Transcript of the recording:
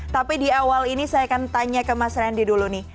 tapi di awal ini saya akan tanya ke mas randy dulu nih